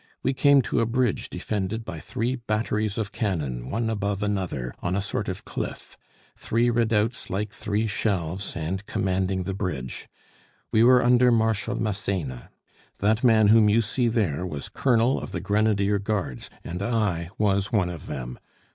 We came to a bridge defended by three batteries of cannon, one above another, on a sort of cliff; three redoubts like three shelves, and commanding the bridge. We were under Marshal Massena. That man whom you see there was Colonel of the Grenadier Guards, and I was one of them.